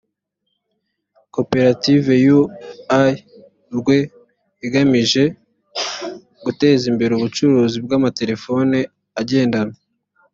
koperative u i rwe igamije guteza imbere ubucuruzi bw amatelefone agendanwa